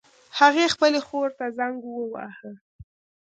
هغې خپلې خور ته زنګ وواهه